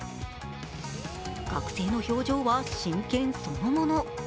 学生の表情は真剣そのもの。